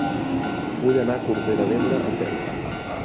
Vull anar a Corbera d'Ebre a peu.